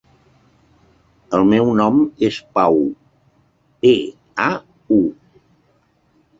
El meu nom és Pau: pe, a, u.